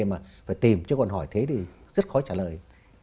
mà phải tìm chứ còn hỏi thế thì rất khó trả lời